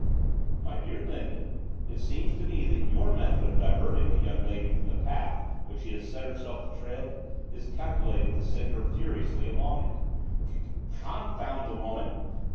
'My dear Lindon, it seems to me that your method of diverting the young lady from the path which she has set herself to tread is calculated to send her furiously along it.' 'C confound the women!